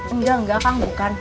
engga engga kak bukan